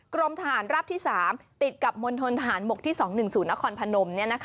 กรมทหารราบที่๓ติดกับมณฑนทหารบกที่๒๑๐นครพนม